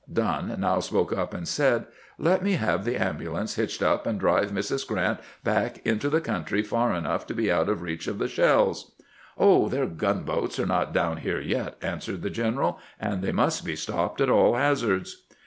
Dunn now spoke up and said :" Let me have the ambulance hitched up, and drive Mrs. Grant back into the country far enough to be out of reach of the 380 CAMPAIGNING WITH GRANT shells." " Oh, their gunboats are not down here yet," answered the general; "and they must be stopped at all hazards."